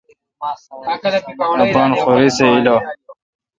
اپان خوِری سہ ایلہ۔